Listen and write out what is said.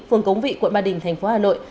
phường cống vị quận ba đình tp hà nội